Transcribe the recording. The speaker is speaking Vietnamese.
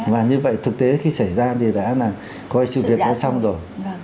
và như vậy thực tế khi xảy ra thì đã là coi sự việc đã xong rồi